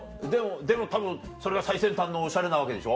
でもたぶんそれが最先端のおしゃれなわけでしょ。